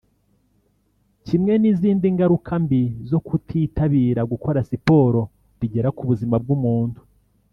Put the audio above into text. kimwe n’izindi ngaruka mbi zo kutitabira gukora Siporo bigira ku buzima bw’umuntu